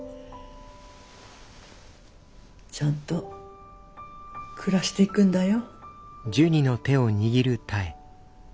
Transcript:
ちゃんと暮らしていくんだよ。